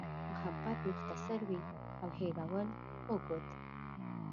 محبت مختصر وي او هېرول اوږد.